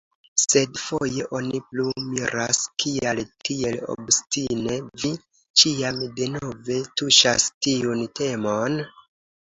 Sed, foje oni plu miras, kial tiel obstine vi ĉiam denove tuŝas tiun temon?